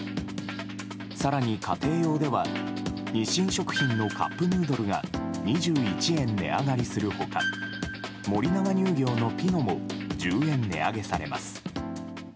更に、家庭用では日清食品のカップヌードルが２１円値上がりする他森永乳業のピノも１０円値上げされます。